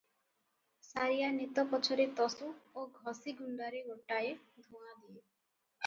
ସାରିଆ ନେତ ପଛରେ ତସୁ ଓ ଘଷି ଗୁଣ୍ତାରେ ଗୋଟାଏ ଧୂଆଁ ଦିଏ ।